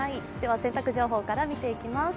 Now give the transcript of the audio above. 洗濯情報から見ていきます。